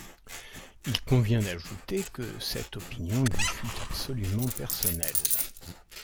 Il convient d’ajouter que cette opinion lui fut absolument personnelle.